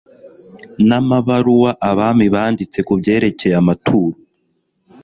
n'amabaruwa abami banditse ku byerekeye amaturo